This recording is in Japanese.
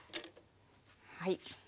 はい。